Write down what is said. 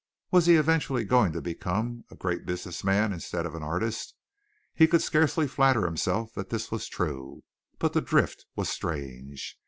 Was he eventually going to become a great business man instead of an artist? He could scarcely flatter himself that this was true, but the drift was strange.